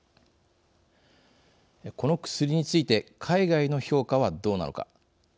この薬について海外の評価はどうなのか。